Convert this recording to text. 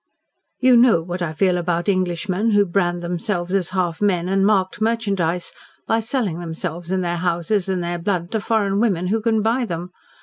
"You know what I feel about Englishmen who brand themselves as half men and marked merchandise by selling themselves and their houses and their blood to foreign women who can buy them.